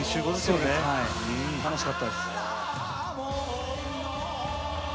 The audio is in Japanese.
楽しかったです。